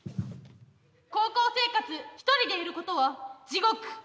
高校生活１人でいることは地獄。